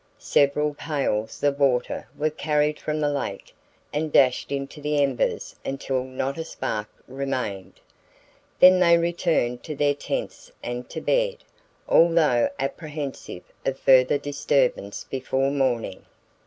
Several pails of water were carried from the lake and dashed into the embers until not a spark remained. Then they returned to their tents and to bed, although apprehensive of further disturbance before morning.